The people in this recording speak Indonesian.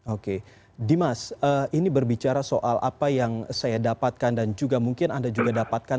oke dimas ini berbicara soal apa yang saya dapatkan dan juga mungkin anda juga dapatkan